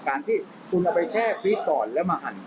การที่คุณเอาไปแช่ฟีดก่อนแล้วมาหั่น